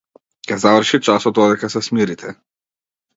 Ќе заврши часот додека се смирите.